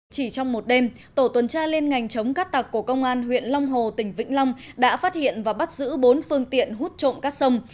chỉ trong một đêm tổ tuần tra liên ngành chống cát tặc của công an huyện long hồ tỉnh vĩnh long đã phát hiện và bắt giữ bốn phương tiện hút trộm cát sông